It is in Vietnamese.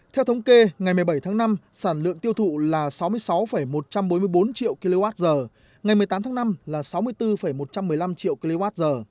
theo thống kê ngày một mươi bảy tháng năm sản lượng tiêu thụ là sáu mươi sáu một trăm bốn mươi bốn triệu kwh ngày một mươi tám tháng năm là sáu mươi bốn một trăm một mươi năm triệu kwh